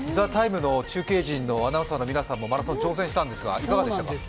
「ＴＨＥＴＩＭＥ，」の中継陣の皆さんもマラソン挑戦したんですがいかがでした？